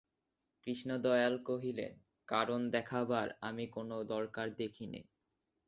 কৃষ্ণদয়াল কহিলেন, কারণ দেখাবার আমি কোনো দরকার দেখি নে।